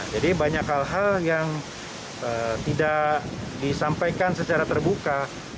jadi banyak hal hal yang tidak disampaikan secara terbuka